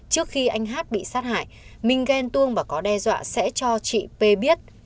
trước khi anh hát bị sát hại minh ghen tuông và có đe dọa sẽ cho chị p biết